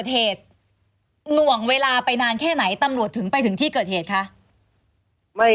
เหตุหน่วงเวลาไปนานแค่ไหนตำรวจถึงไปถึงที่เกิดเหตุคะ